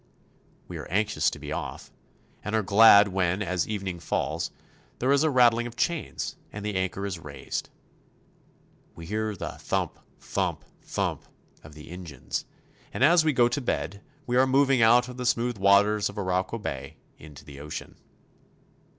We are anxious to be off, and are glad when, as evening falls, there is a rattling of chains and the anchor is raised. We hear the thump, thump, thump of the engines, and as we go to bed we are moving out of the smooth waters of Arauco Bay into the ocean.